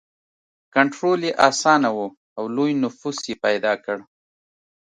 کنټرول یې اسانه و او لوی نفوس یې پیدا کړ.